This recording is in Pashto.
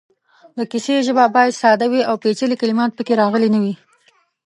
د کیسې ژبه باید ساده وي او پېچلې کلمات پکې راغلې نه وي.